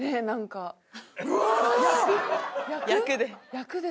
役で？